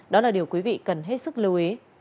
đó là điều quý vị cần hết sức lưu ý